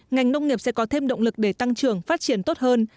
ngành nông nghiệp sẽ có thêm động lực để tăng trưởng phát triển tốt hơn